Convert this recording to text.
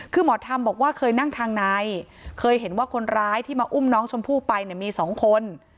คือหมอธรรมบอกว่าเคยนั่งทางในเคยเห็นว่าคนร้ายที่มาอุ้มน้องชมพู่ไปเนี่ยมีสองคน